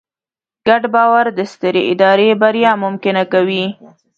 ګډ باور د سترې ادارې بریا ممکنه کوي.